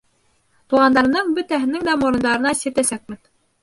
Туғандарымдың бөтәһенең дә морондарына сиртәсәкмен.